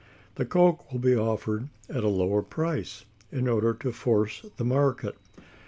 The coke will be offered at a lower price in order to force a market.